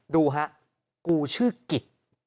ดูฮะกูชื่อกิจ